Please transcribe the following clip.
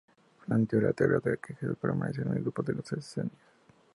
Planteó la teoría de que Jesús perteneció al grupo de los esenios.